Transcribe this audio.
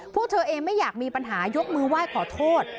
พวกเธอเองไม่อยากมีปัญหายกมือไหว้ขอโทษ